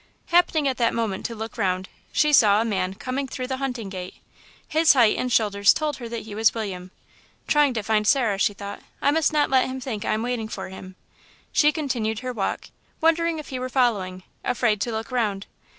Happening at that moment to look round, she saw a man coming through the hunting gate. His height and shoulders told her that he was William. "Trying to find Sarah," she thought. "I must not let him think I am waiting for him." She continued her walk, wondering if he were following, afraid to look round.